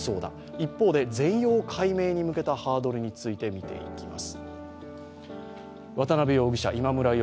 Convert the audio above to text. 一方で全容解明に向けたハードルについて見ていきます。